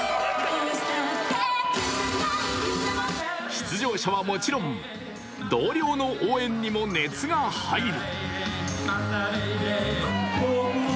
出場者はもちろん、同僚の応援にも熱が入る。